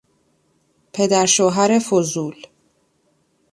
پدر شوهر فضول